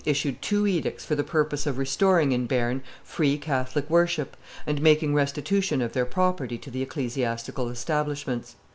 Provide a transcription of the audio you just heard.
issued two edicts for the purpose of restoring in Bearn free Catholic worship, and making restitution of their property to the ecclesiastical establishments.